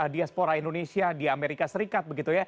diaspora indonesia di amerika serikat